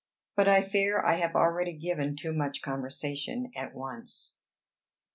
But I fear I have already given too much conversation at once.